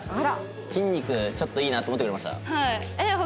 筋肉ちょっといいなって思ってくれました？